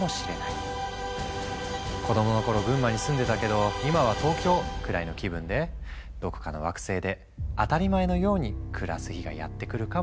「子供の頃群馬に住んでたけど今は東京」くらいの気分でどこかの惑星で当たり前のように暮らす日がやって来るかもしれないね。